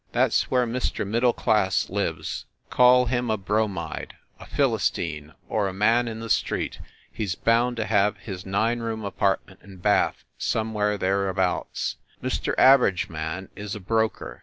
That s where Mr. Mid dle Class lives ; call him a bromide, a philistine, or a man in the street, he s bound to have his nine room apartment and bath somewhere thereabouts. Mr. Average Man is a broker.